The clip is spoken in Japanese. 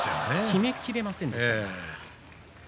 きめ切れませんでした。